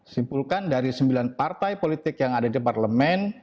simpulkan dari sembilan partai politik yang ada di parlemen